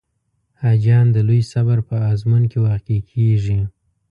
حاجیان د لوی صبر په آزمون کې واقع کېږي.